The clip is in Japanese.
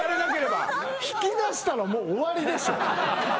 引きだしたらもう終わりでしょ。